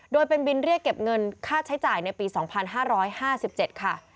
โดยเป็นบินเรียกเก็บเงินค่าใช้จ่ายในปี๒๕๕๗ค่ะ